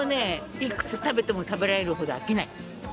いくつ食べても食べられるほど飽きない。